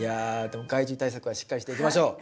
でも害虫対策はしっかりしていきましょう。